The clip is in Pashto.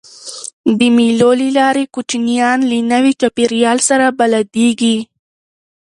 د مېلو له لاري کوچنيان له نوي چاپېریال سره بلديږي.